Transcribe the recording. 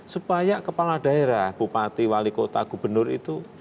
supaya kepala daerah bupati wali kota gubernur itu